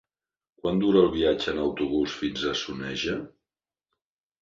Quant dura el viatge en autobús fins a Soneja?